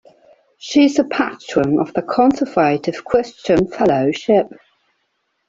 She is a Patron of the Conservative Christian Fellowship.